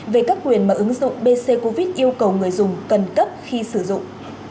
về các quyền mà ứng dụng bc covid yêu cầu người dùng cần cấp khi sử dụng